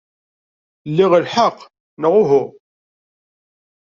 Liɣ lḥeqq, neɣ uhu?